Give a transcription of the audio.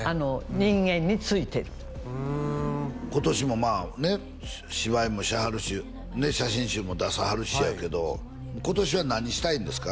人間についてる今年もね芝居もしはるし写真集も出さはるしやけど今年は何したいんですか？